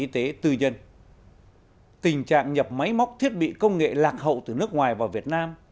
tình trạng nhập máy móc thiết bị công nghệ lạc hậu từ nước ngoài vào việt nam